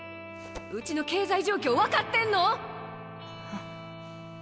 うちの経済状況分かってんの！？